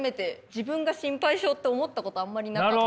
自分が心配性って思ったことあんまりなかったので。